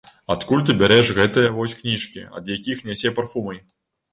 Адкуль ты бярэш гэтыя вось кніжкі, ад якіх нясе парфумай?